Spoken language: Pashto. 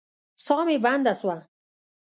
ساه مي بنده سوه.